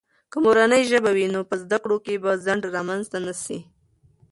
که مورنۍ ژبه وي، نو په زده کړو کې بې خنډ رامنځته نه سي.